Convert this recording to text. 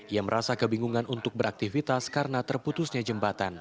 ia merasa kebingungan untuk beraktivitas karena terputusnya jembatan